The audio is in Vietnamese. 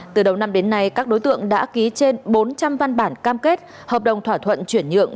từ đầu năm đến nay các đối tượng đã ký trên bốn trăm linh văn bản cam kết hợp đồng thỏa thuận chuyển nhượng